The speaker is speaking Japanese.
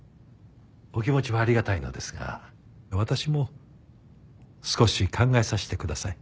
お気持ちはありがたいのですが私も少し考えさせてください。